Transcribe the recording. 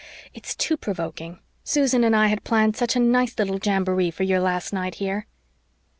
It's too provoking. Susan and I had planned such a nice little jamboree for your last night here."